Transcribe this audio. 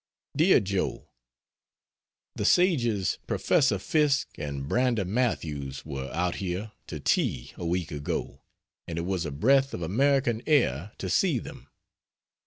DEAR JOE, The Sages Prof. Fiske and Brander Matthews were out here to tea a week ago and it was a breath of American air to see them.